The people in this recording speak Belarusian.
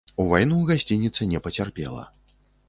У вайну гасцініца не пацярпела.